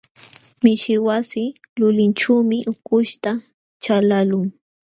Mishi wasi lulinćhuumi ukuśhta chalaqlun.